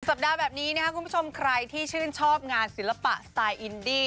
แบบนี้นะครับคุณผู้ชมใครที่ชื่นชอบงานศิลปะสไตล์อินดี้